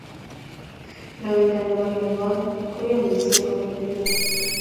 Loindo nebo kekolik ko yoo mising kongete ngweny